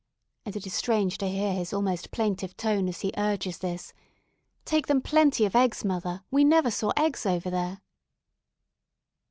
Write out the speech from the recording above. and it is strange to hear his almost plaintive tone as he urges this "take them plenty of eggs, mother; we never saw eggs over there."